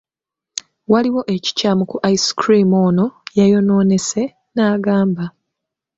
Waliwo ekikyamu ku ice cream ono, yayonoonese, n'agamba.